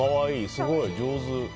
すごい上手。